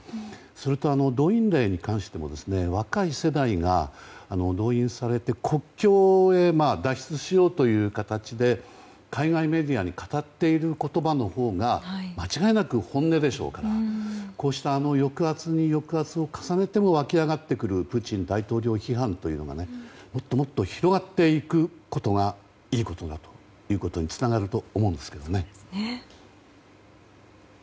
それと動員令に関しても若い世代が動員されて国境へ脱出しようという形で海外メディアに語っている言葉のほうが間違いなく本音でしょうからこうした抑圧に抑圧を重ねても湧き上がってくるプーチン大統領批判というのがねもっともっと広がっていくことがいいことにつながっていくと思いますけどね。